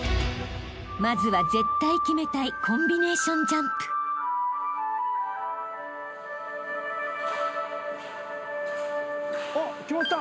［まずは絶対決めたいコンビネーションジャンプ］決まった！